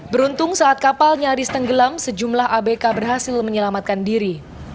beruntung saat kapal nyaris tenggelam sejumlah abk berhasil menyelamatkan diri